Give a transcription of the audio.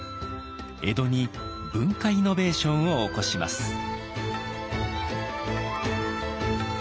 江戸に文化イノベーションを起こします。